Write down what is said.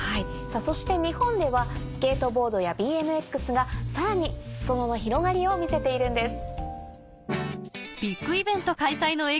そして日本ではスケートボードやＢＭＸがさらに裾野の広がりを見せているんです。